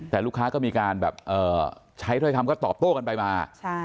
แต่ลูกค้าก็มีการแบบใช้ถ้อยคำก็ตอบโต้กันไปมา